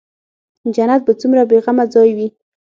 جنت به څومره بې غمه ځاى وي.